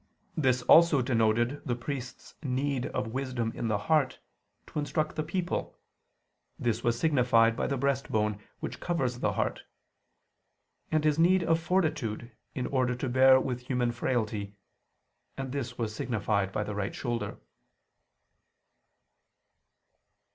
This is also denoted the priest's need of wisdom in the heart, to instruct the people this was signified by the breast bone, which covers the heart; and his need of fortitude, in order to bear with human frailty and this was signified by the right shoulder.